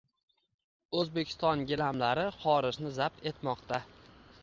O‘zbekiston gilamlari xorijni zabt etmoqdang